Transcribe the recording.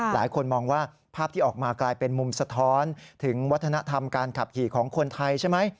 หลายคนมองว่าภาพที่ออกมากลายเป็นมุมสะท้อนถึงวัฒนธรรมการขับขี่ของคนไทยใช่ไหม